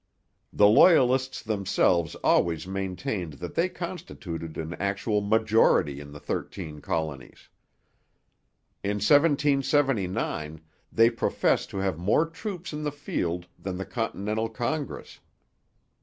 The Loyalists themselves always maintained that they constituted an actual majority in the Thirteen Colonies. In 1779 they professed to have more troops in the field than the Continental Congress.